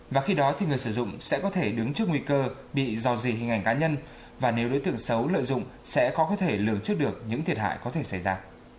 và khi đó thì người sử dụng sẽ có thể đứng trước nguy cơ bị dò dì hình ảnh cá nhân và nếu đối tượng xấu lợi dụng sẽ khó có thể lường trước được những thiệt hại có thể xảy ra